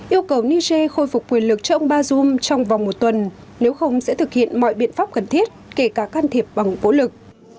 yêu cầu niger khôi phục quyền lực cho ông bazoum trong vòng một tuần nếu không sẽ thực hiện mọi biện pháp cần thiết kể cả can thiệp bằng vũ lực